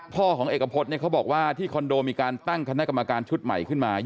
พ่อของเอกพฤษเขาบอกว่าที่คอนโดมีการตั้งคณะกรรมการชุดใหม่ขึ้นมา